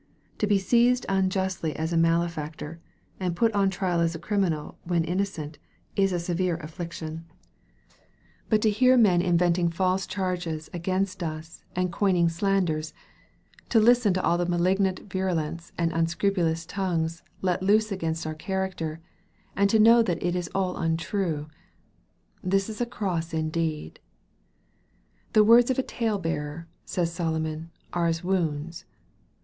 To be seized unjustly as a malefactor, and put on trial as a criminal when innocent, is a severe affliction. But to hear men MARK, CHAP. XIV. 829 Inventing false charges against is and coining slanders to listen to all the malignant virulence of unscrupulous tongues let loose against our character, and know that it is all untrue this is a cross indeed 1 " The words of a talebearer," says Solomon, " are as wounds."